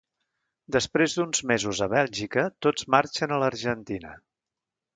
Després d'uns mesos a Bèlgica tots marxen a l'Argentina.